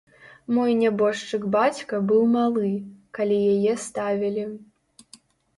Мой нябожчык бацька быў малы, калі яе ставілі.